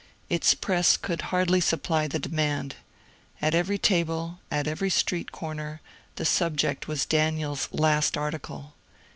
Its press could hardly supply the demand. At every table, at every street comer, the subject was Daniel's last article.